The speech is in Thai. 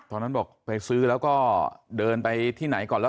ตอนนั้นบอกไปซื้อแล้วก็เดินไปที่ไหนก่อนแล้ว